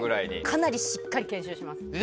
かなりしっかり研修します。